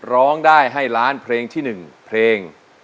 ร้องได้ให้ล้านเพลงที่๑เพลง